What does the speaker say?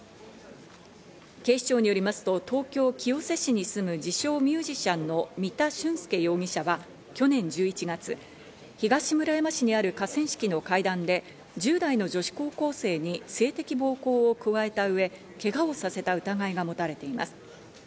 警視庁によりますと、東京・清瀬市に住む自称ミュージシャンの三田駿介容疑者は、去年１１月、東村山市にある河川敷の階段で、１０代の女子高校生に性的暴行を加えた上、けがをさせた疑いが持たれています。